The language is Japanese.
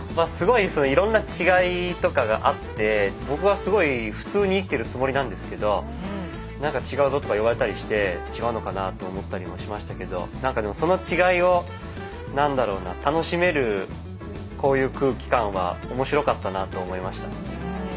すごいいろんな違いとかがあって僕はすごい普通に生きてるつもりなんですけど「なんか違うぞ」とか言われたりして違うのかなと思ったりもしましたけどなんかでもその違いを何だろうな楽しめるこういう空気感は面白かったなと思いました。